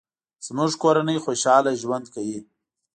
زموږ کورنۍ خوشحاله ژوند کوي